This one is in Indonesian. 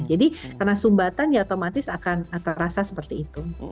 jadi karena sumbatan ya otomatis akan terasa seperti itu